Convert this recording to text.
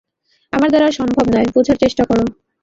আমার দ্বারা আর সম্ভব নয়, বোঝার চেষ্টা করো।